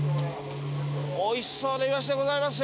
美味しそうなイワシでございますよ！